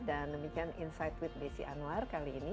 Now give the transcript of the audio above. dan demikian insight with desi anwar kali ini